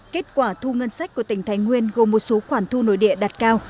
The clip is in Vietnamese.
kết quả thu ngân sách của tỉnh thái nguyên gồm một số khoản thu nội địa đạt cao